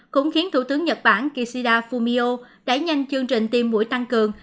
cũng khiến thủ tướng nhật bản kishida fumio đẩy nhanh chương trình tiêm mũi tăng cường